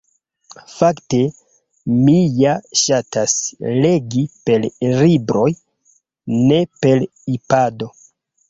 Fakte, mi ja ŝatas legi per libroj ne per ipado